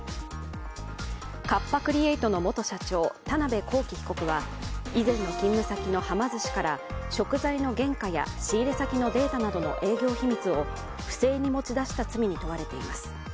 カッパクリエイトの元社長、田辺公己被告は以前の勤務先のはま寿司から食材の原価や仕入れ先のデータなどの営業秘密を不正に持ち出した罪に問われています。